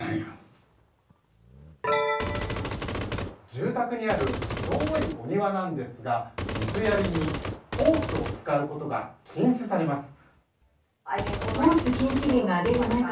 住宅にある広いお庭なんですが水やりにホースを使うことが禁止されます。